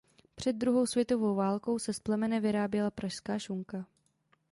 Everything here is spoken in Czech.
Před druhou světovou válkou se z plemene vyráběla Pražská šunka.